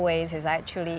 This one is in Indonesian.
salah satu cara adalah